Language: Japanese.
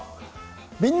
「みんな！